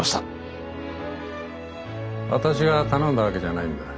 私が頼んだわけじゃないんだ。